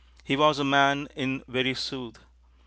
He was a man in very sooth.